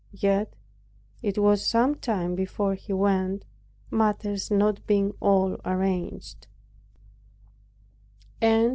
Yet it was some time before he went, matters not being all arranged.